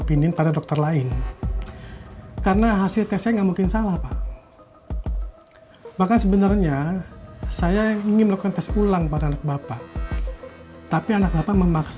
ini hasil rekam medis dan ct scan anak bapak